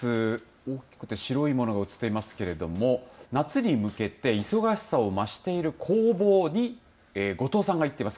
大きくて白いものが映っていますけれども夏に向けて忙しさを増している工房に後藤さんが行っています